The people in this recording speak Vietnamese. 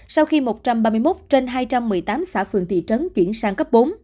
sau khi một trăm ba mươi một trên hai trăm một mươi tám xã phường thị trấn chuyển sang cấp bốn